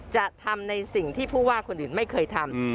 จะทำในสิ่งที่ผู้ว่าคนอื่นไม่เคยทำ